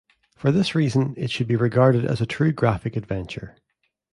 For this reason, it should be regarded as a true graphic adventure.